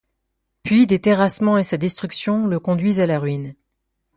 Puis, des terrassement et sa destruction le conduisent à la ruine.